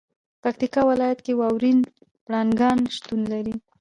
پکتیکا ولایت کې واورین پړانګان شتون لري.